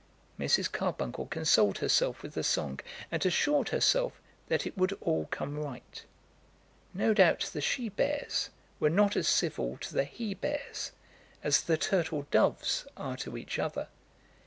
Mrs. Carbuncle consoled herself with the song, and assured herself that it would all come right. No doubt the she bears were not as civil to the he bears as the turtle doves are to each other.